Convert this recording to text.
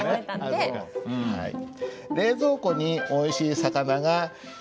「冷蔵庫においしい魚がいる」。